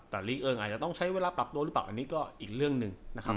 แต่ลีกเองอาจจะต้องใช้เวลาปรับตัวหรือเปล่าอันนี้ก็อีกเรื่องหนึ่งนะครับ